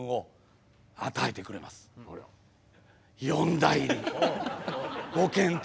四大入りご検討